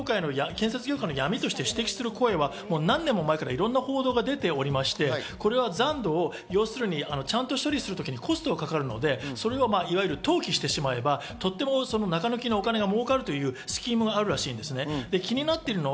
建設残土をある種の建築業界、建設業界の闇として指摘する声は何年も前からいろんな報道が出ていまして、これは残土をちゃんと処理するときにコストがかかるので、いわゆる登記してしまえば中抜きのお金が儲かるというスキームがあるらしいです。